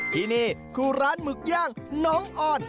ที่นี่คือร้านหมึกย่างน้องอ่อน